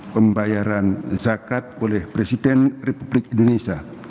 pembayaran zakat oleh presiden republik indonesia